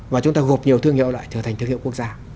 và chúng ta gộp nhiều thương hiệu lại trở thành thương hiệu quốc gia